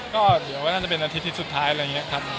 ก็เดี๋ยวว่าน่าจะเป็นอาทิตย์สุดท้ายอะไรอย่างนี้ครับ